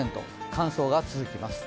乾燥が続きます。